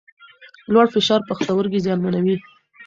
لوړ فشار پښتورګي زیانمنوي.